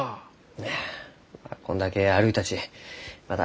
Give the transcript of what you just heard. いやこんだけ歩いたちまだ